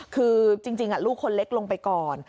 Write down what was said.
คือจริงลูกคนเล็กลงไปก่อน